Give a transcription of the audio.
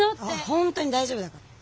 本当に大丈夫だから。